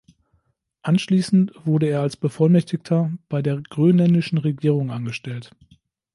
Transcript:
Anschließend wurde er als Bevollmächtigter bei der grönländischen Regierung angestellt.